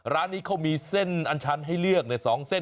ร้านนี้เขามีเส้นอันชันให้เลือก๒เส้น